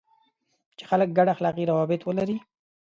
چې خلک ګډ اخلاقي روابط ولري.